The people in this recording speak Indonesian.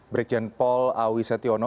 berikjen paul awi setiono